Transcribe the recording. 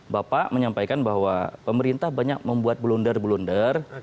bapak menyampaikan bahwa pemerintah banyak membuat bulunder bulunder